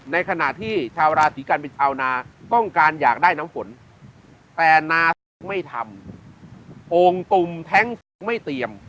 ในขณะที่ชาวราศีกันเป็นชาวนาต้องการอยากได้น้ำฝนแต่นาสุกไม่ทำโอ่งตุ่มแท้งสุกไม่เตรียม